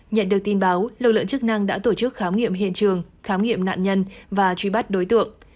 nhận được tin báo lực lượng chức năng đã tổ chức khám nghiệm hiện trường khám nghiệm nạn nhân và truy bắt đối tượng